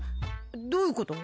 どういうこと？